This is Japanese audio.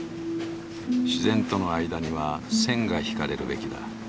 「自然との間には線が引かれるべきだ」。